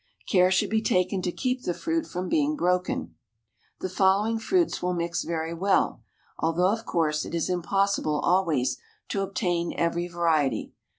Care should be taken to keep the fruit from being broken. The following fruits will mix very well, although, of course, it is impossible always to obtain every variety.